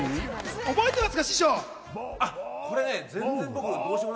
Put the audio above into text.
覚えてます？